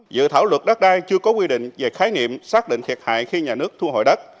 dự thảo luật đất đai chưa có quy định về khái niệm xác định thiệt hại khi nhà nước thu hồi đất